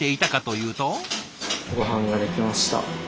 ごはんができました。